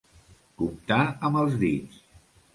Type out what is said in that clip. Comptar amb els dits.